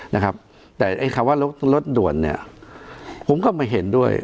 นะครับแต่ไอ้คำว่ารถรถด่วนเนี่ยผมก็ไม่เห็นด้วย